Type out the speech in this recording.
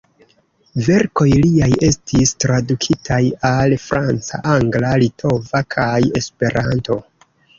Verkoj liaj estis tradukitaj al franca, angla, litova kaj Esperanto.